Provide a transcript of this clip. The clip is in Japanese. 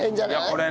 これね。